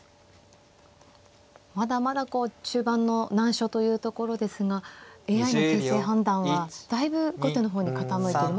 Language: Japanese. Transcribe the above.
まだまだ中盤の難所というところですがＡＩの形勢判断はだいぶ後手の方に傾いてる。